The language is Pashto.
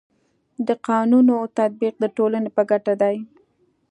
د قانونو تطبیق د ټولني په ګټه دی.